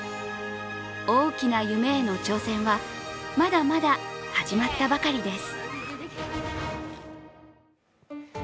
大きな夢への挑戦は、まだまだ始まったばかりです。